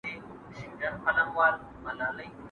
¬ تر مور او پلار خوږې، را کښېنه که وريجي خورې.